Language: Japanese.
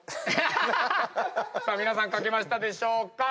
皆さん書けましたでしょうか。